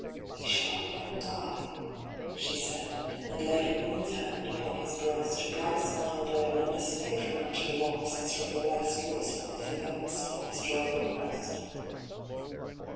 He shall not die^ she said, and laid Her woman's hand upon his breast, Her bright smile glowing undismayed From out her locks, as from the west Looks forth a young star's joyful crest.